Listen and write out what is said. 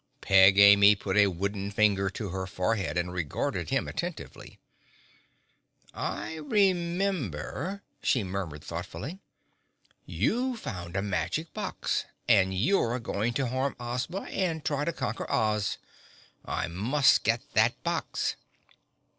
Peg Amy put a wooden finger to her forehead and regarded him attentively. "I remember," she murmured thoughtfully. "You found a magic box, and you're going to harm Ozma and try to conquer Oz. I must get that box!"